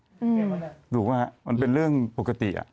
รู้ไหมครับมันเป็นเรื่องปกติ